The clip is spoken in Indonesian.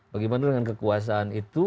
bagaimana dengan kekuasaan itu